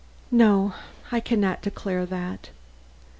"No, I can not declare that."